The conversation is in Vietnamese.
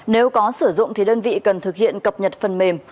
nếu có sử dụng thì đơn vị cần thực hiện cập nhật phần mềm